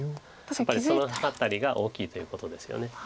やっぱりその辺りが大きいということですよね。